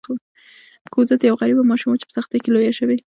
کوزت یوه غریبه ماشومه وه چې په سختۍ کې لویه شوه.